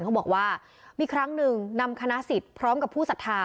เขาบอกว่ามีครั้งหนึ่งนำคณะสิทธิ์พร้อมกับผู้ศรัทธา